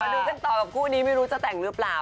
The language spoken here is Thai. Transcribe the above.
ดูกันต่อกับคู่นี้ไม่รู้จะแต่งหรือเปล่า